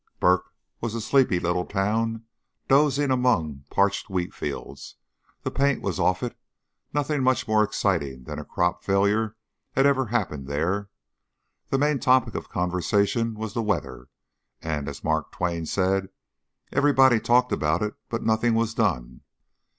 "Burk" was a sleepy little town, dozing amid parched wheat fields. The paint was off it; nothing much more exciting than a crop failure ever happened there. The main topic of conversation was the weather and, as Mark Twain said, everybody talked about it, but nothing was done.